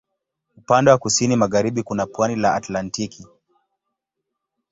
Upande wa kusini magharibi kuna pwani la Atlantiki.